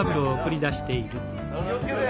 気を付けて。